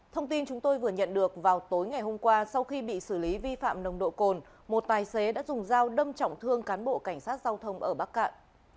thông tin chúng tôi vừa nhận được vào tối ngày hôm qua sau khi bị xử lý vi phạm nồng độ cồn một tài xế đã dùng dao đâm trọng thương cán bộ cảnh sát giao thông ở bắc cạn